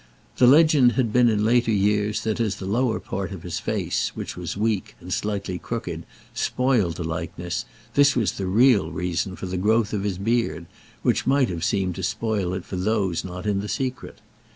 The legend had been in later years that as the lower part of his face, which was weak, and slightly crooked, spoiled the likeness, this was the real reason for the growth of his beard, which might have seemed to spoil it for those not in the secret.